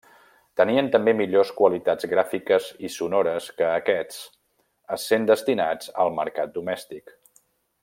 Tenien també millors qualitats gràfiques i sonores que aquests, essent destinats al mercat domèstic.